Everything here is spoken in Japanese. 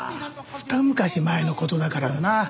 ふた昔前の事だからな。